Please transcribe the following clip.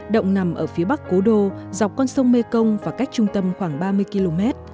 động nằm ở phía bắc cố đô dọc con sông mê công và cách trung tâm khoảng ba mươi km